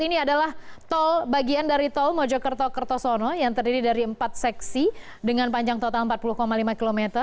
ini adalah bagian dari tol mojokerto kertosono yang terdiri dari empat seksi dengan panjang total empat puluh lima km